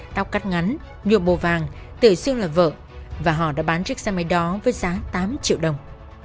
tóc cắt ngắn nhuộm bồ vàng tự xưng là vợ và họ đã bán chiếc xe máy đó với giá tám triệu đồng